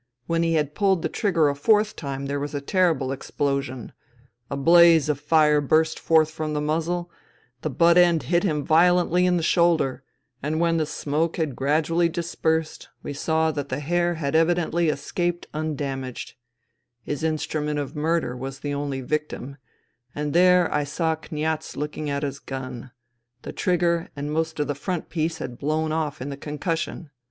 When he had pulled the trigger a fourth time there was a terrible explosion ; a blaze of fire burst forth from the muzzle ; the butt end hit him violently in the shoulder. And when the smoke had gradually dispersed we saw that INTERVENING IN SIBERIA 127 the hare had evidently escaped undamaged. His instrument of murder was the only victim ; and there I saw Kniaz looking at his gun : the trigger and most of the front piece had blown off in the con cussion.